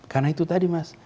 karena itu tadi mas